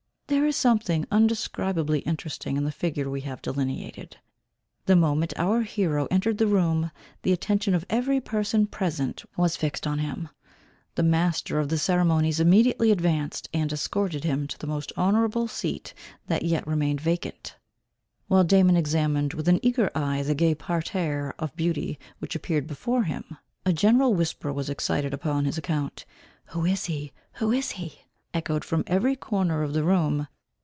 There is something undescribably interesting in the figure we have delineated. The moment our hero entered the room, the attention of every person present was fixed upon him. The master of the ceremonies immediately advanced, and escorted him to the most honourable seat that yet remained vacant. While Damon examined with an eager eye the gay parterre of beauty that appeared before him, a general whisper was excited upon his account. "Who is he?" "Who is he?" echoed from every corner of the room.